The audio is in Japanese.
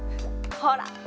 ほら！